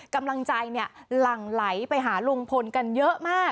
กำลังใจหลั่งไหลไปหาลุงพลกันเยอะมาก